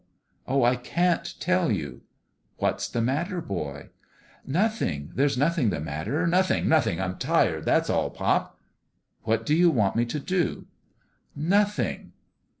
"Oh, I can't tell you!" " What's the matter, boy ?" "Nothing! There's nothing the matter! Nothing! Nothing! I'm tired. That's all, pop." " What do you want me to do ?"" Nothing."